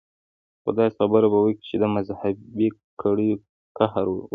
خو داسې خبرې به وکي چې د مذهبي کړيو قهر وپاروي.